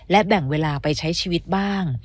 และแบ่งเวลาไปใช้ชีวิตบ้าง